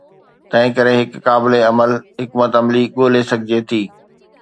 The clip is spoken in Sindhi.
تنهنڪري هڪ قابل عمل حڪمت عملي ڳولي سگهجي ٿي.